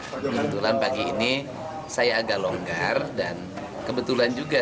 kebetulan pagi ini saya agak longgar dan kebetulan juga